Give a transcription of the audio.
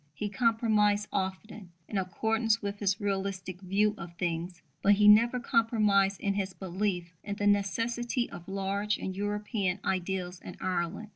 He compromised often, in accordance with his "realistic" view of things; but he never compromised in his belief in the necessity of large and European ideals in Ireland.